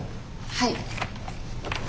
はい。